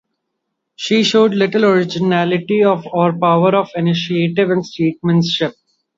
She showed little originality or power of initiative in statesmanship.